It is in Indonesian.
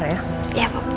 mengambil oruku mati